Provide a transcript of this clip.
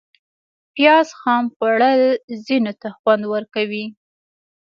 پیاز خام خوړل ځینو ته خوند ورکوي